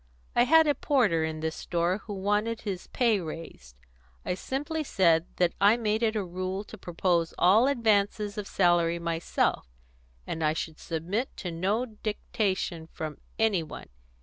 I had a porter in this store who wanted his pay raised. I simply said that I made it a rule to propose all advances of salary myself, and I should submit to no dictation from any one.